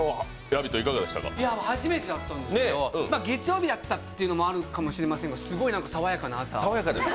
初めてだったんですけど月曜日だったということもあるかもしれないですがすごい爽やかな朝。